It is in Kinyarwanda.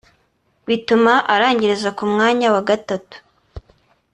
bituma arangiriza ku mwanya wa gatatu